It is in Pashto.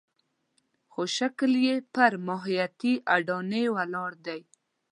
خو شکل یې پر ماهیتي اډانې ولاړ دی.